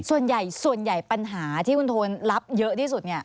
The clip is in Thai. ส่วนใหญ่ส่วนใหญ่ปัญหาที่คุณโทนรับเยอะที่สุด